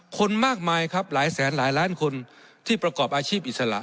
คนมากมายครับหลายแสนหลายล้านคนที่ประกอบอาชีพอิสระ